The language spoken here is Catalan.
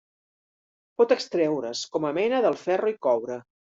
Pot extreure's com a mena del ferro i coure.